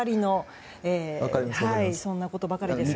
そんなことばかりです。